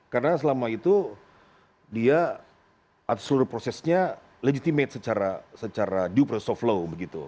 karena selama itu dia atur prosesnya legitimate secara due process of law begitu